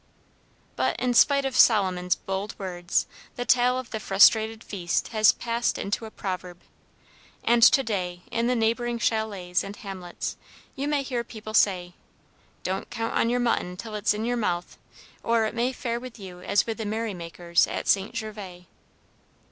But, in spite of Solomon's bold words, the tale of the frustrated feast has passed into a proverb; and to day in the neighboring chalets and hamlets you may hear people say, "Don't count on your mutton till it's in your mouth, or it may fare with you as with the merry makers at St. Gervas."